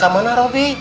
kamu enggak robi